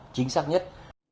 chính xác nhất